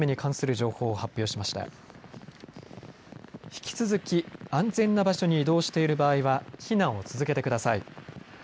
引き続き安全な場所に移動している場合は避難を続けてください。